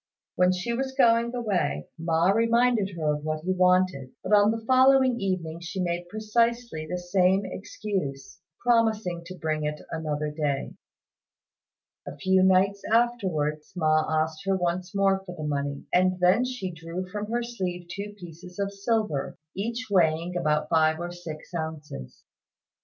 When she was going away, Ma reminded her of what he wanted, but on the following evening she made precisely the same excuse, promising to bring it another day. A few nights afterwards Ma asked her once more for the money, and then she drew from her sleeve two pieces of silver, each weighing about five or six ounces.